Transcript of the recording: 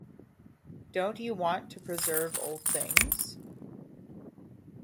Don't you want to preserve old things?